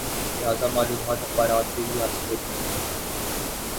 لہذا معلومات اخبارات سے ہی حاصل ہوتی ہیں۔